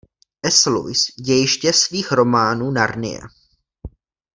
S. Lewis dějiště svých románů Narnie.